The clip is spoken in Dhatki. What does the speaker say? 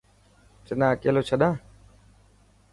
تنا اڪليو ڇڏان؟